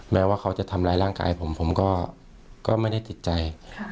แม้ว่าเขาจะทำร้ายร่างกายผมผมก็ไม่ได้ติดใจ